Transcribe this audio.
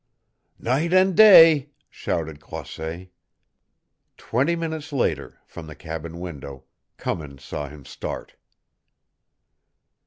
"Night and day!" shouted Croisset. Twenty minutes later, from the cabin window, Cummins saw him start.